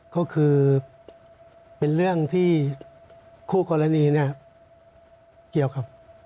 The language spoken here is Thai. ก็คือเป็นเรื่องที่คู่กรณีเนี่ยเกี่ยวครับ